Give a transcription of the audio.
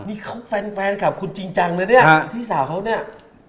นี่เขาแฟนคลับคุณจริงจังนะเนี่ยพี่สาวเขาเนี่ย